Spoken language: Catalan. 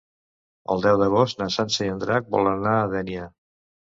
El deu d'agost na Sança i en Drac volen anar a Dénia.